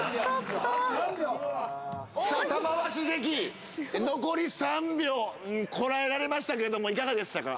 玉鷲関残り３秒こらえられましたけれどもいかがでしたか？